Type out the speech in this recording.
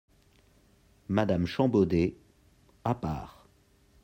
Madame Champbaudet , à part.